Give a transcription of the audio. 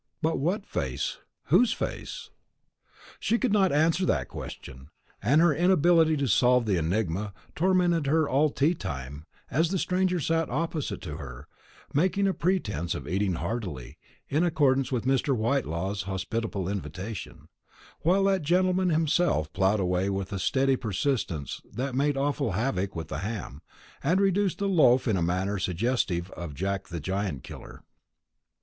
But what face? whose face? She could not answer that question, and her inability to solve the enigma tormented her all tea time, as the stranger sat opposite to her, making a pretence of eating heartily, in accordance with Mr. Whitelaw's hospitable invitation, while that gentleman himself ploughed away with a steady persistence that made awful havoc with the ham, and reduced the loaf in a manner suggestive of Jack the Giant killer.